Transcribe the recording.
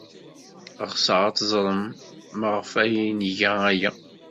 Ɣseɣ ad teẓrem maɣef ay nga aya.